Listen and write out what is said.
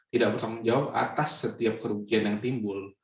tidak bisa menjawab atas setiap kerugian yang timbul